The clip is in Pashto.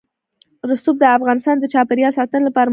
رسوب د افغانستان د چاپیریال ساتنې لپاره مهم دي.